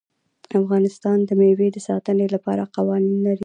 افغانستان د مېوې د ساتنې لپاره قوانین لري.